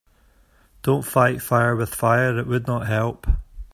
Don‘t fight fire with fire, it would not help.